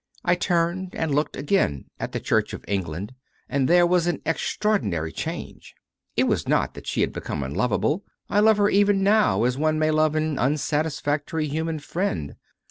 I turned and looked again at the Church of England and there was an extraordinary change. It was not that she had become unlovable. I love her even now as one may love an unsatisfactory human friend.